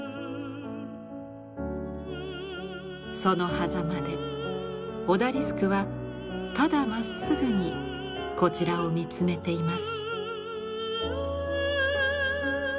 そのはざまでオダリスクはただまっすぐにこちらを見つめています。